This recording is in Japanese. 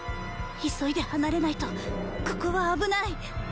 急いで離れないとここは危ない！